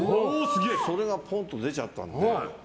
それがぽんと出ちゃったので。